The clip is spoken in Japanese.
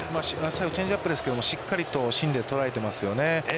最後チェンジアップですけども、しっかりと芯で捉えていますよね。